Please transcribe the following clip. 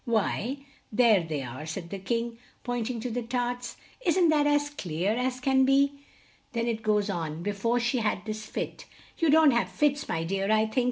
"Why, there they are," said the King, point ing to the tarts. "Isn't that as clear as can be? Then it goes on, 'before she had this fit' you don't have fits, my dear, I think?"